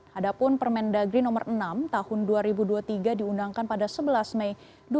hadapun permendagri nomor enam tahun dua ribu dua puluh tiga diundangkan pada sebelas mei dua ribu dua puluh